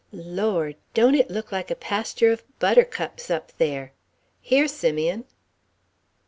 Lord, don't it look like a pasture of buttercups up there? Here, Simeon."